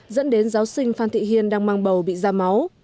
dẫn đến giáo sinh phan thị hiên đang mang bầu bị da máu